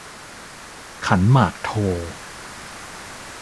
ขันหมากโท